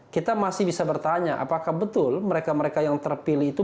kita masih bisa bertanya apakah betul mereka mereka yang terpilih itu